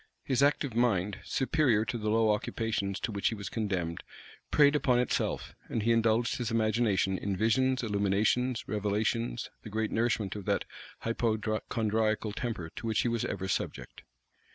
His active mind, superior to the low occupations to which he was condemned, preyed upon itself; and he indulged his imagination in visions, illuminations, revelations; the great nourishment of that hypochondriacal temper to which he was ever subject.